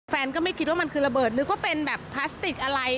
ก็ไม่คิดว่ามันคือระเบิดนึกว่าเป็นแบบพลาสติกอะไร